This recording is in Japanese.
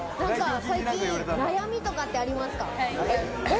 最近、悩みとかってありますか？